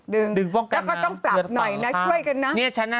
ดึงแล้วก็ต้องสับหน่อยนะช่วยกันน่ะเลือดสั่งค่ะนี่ฉันน่ะ